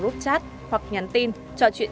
group chat hoặc nhắn tin trò chuyện